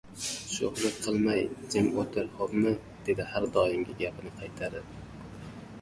Sho‘xlik qilmay, jim o‘tir, xo‘pmi? - dedi har doimgi gapini qaytarib.